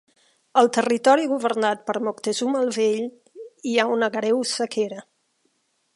Al territori governat per Moctezuma el vell hi ha una greu sequera.